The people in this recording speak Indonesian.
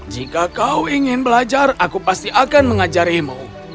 jika kau ingin belajar aku pasti akan mengajarimu